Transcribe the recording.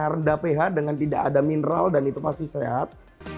rendah ph dengan tidak ada mineral dan itu pasti sehat